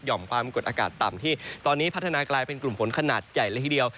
ความกดอากาศต่ำที่ตอนนี้พัฒนากลายเป็นกลุ่มฝนขนาดใหญ่เลยทีเดียว